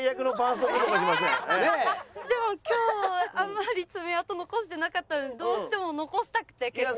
でも今日はあんまり爪痕残してなかったのでどうしても残したくて結果が。